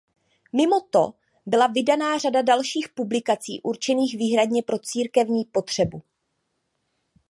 Mimo to byla vydána řada dalších publikací určených výhradně pro církevní potřebu.